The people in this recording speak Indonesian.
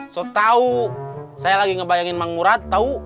so tau saya lagi ngebayangin mang murad tau